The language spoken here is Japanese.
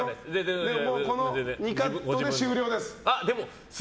この２カットで終了です。